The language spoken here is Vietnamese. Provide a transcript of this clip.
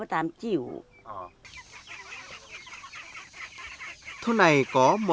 ước diệu kênh gym